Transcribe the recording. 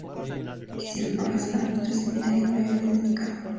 Ha sido profesor en los tres seminarios mayores de Nicaragua.